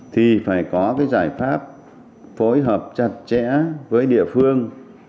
thì phải có cái giải pháp phối hợp chặt chẽ với địa phương